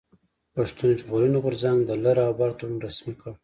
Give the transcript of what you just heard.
پښتون ژغورني غورځنګ د لر او بر تړون رسمي کړ.